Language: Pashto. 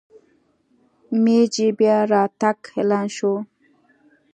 مېجي بیا راتګ اعلان شو.